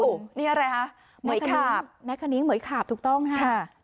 โอ้โหนี่อะไรฮะเมย์ขาบแม่คะนิ้งเมย์ขาบถูกต้องฮะค่ะ